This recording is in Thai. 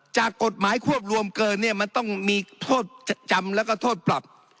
จากกฎหมายควบรวมเกินเนี่ยมันต้องมีโทษจำแล้วก็โทษปรับ